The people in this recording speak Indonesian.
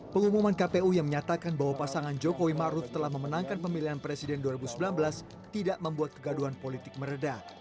pengumuman kpu yang menyatakan bahwa pasangan jokowi maruf telah memenangkan pemilihan presiden dua ribu sembilan belas tidak membuat kegaduhan politik meredah